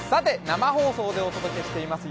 生放送でお届けしています